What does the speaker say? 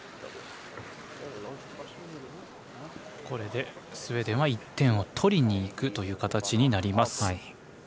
これでスウェーデンは１点を取りにいくという形になります。